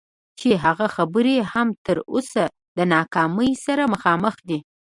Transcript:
چې هغه خبرې هم تر اوسه د ناکامۍ سره مخامخ دي.